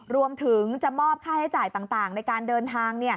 รวมถึงจะมอบค่าใช้จ่ายต่างในการเดินทาง